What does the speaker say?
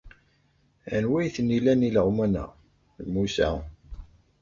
Anwa ay ten-ilan yileɣman-a? N Musa.